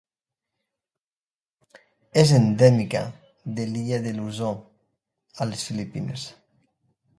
És endèmica de l'illa de Luzon, a les Filipines.